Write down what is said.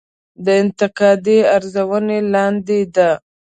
دا انتقادي ارزونې لاندې ده.